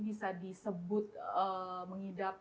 bisa disebut mengidap